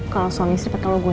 kalau suami istri pake lo gue